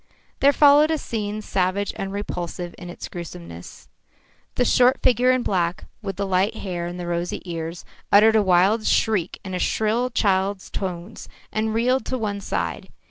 There followed a scene savage and repulsive in its gruesomeness. The short figure in black, with the light hair and the rosy ears, uttered a wild shriek in a shrill child's tones and reeled to one side.